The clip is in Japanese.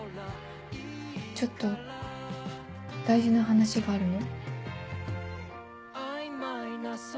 ちょっと大事な話があるの。